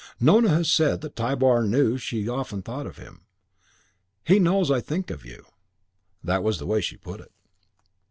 Nona had said that Tybar knew she thought often of him. "He knows I think of you." That was the way she had put it.